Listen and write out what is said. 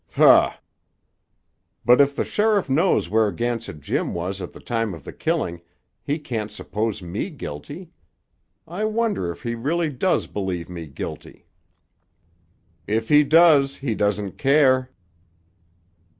"Humph!" "But if the sheriff knows where Gansett Jim was at the time of the killing, he can't suppose me guilty. I wonder if he really does believe me guilty?" "If he does, he doesn't care.